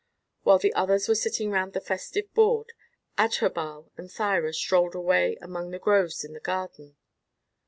While the others were sitting round the festive board, Adherbal and Thyra strolled away among the groves in the garden.